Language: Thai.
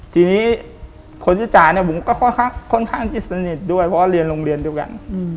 ทีนี้คนที่จ๋าเนี่ยผมก็ค่อนข้างคิดสนิทด้วยเพราะว่าเรียนโรงเรียนเดียวกัน